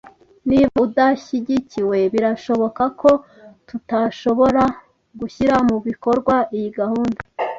Niba udashyigikiwe, birashoboka ko tutazashobora gushyira mubikorwa iyi gahunda.